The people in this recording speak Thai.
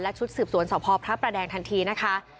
ชุดสืบสวนสพพระประแดงทันทีนะคะ